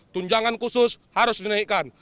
tunjangan khusus harus dinaikkan